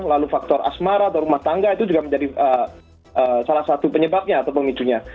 lalu faktor asmara atau rumah tangga itu juga menjadi salah satu penyebabnya atau pemicunya